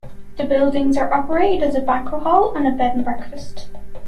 The buildings are operated as a banquet hall and a bed-and-breakfast.